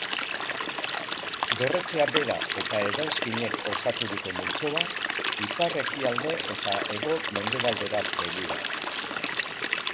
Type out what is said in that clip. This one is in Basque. Dorretxea bera eta eranskinek osaturiko multzoa, ipar-ekialde eta hego-mendebaldera begira.